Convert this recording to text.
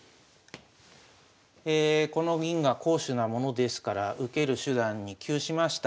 この銀が好手なものですから受ける手段に窮しました。